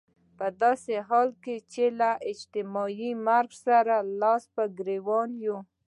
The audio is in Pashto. په داسې حال کې چې له اجتماعي مرګ سره لاس او ګرېوان يو.